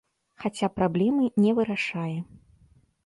Хаця праблемы не вырашае.